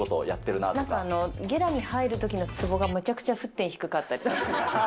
なんか、げらに入るときのつぼがめちゃくちゃ沸点低かったり。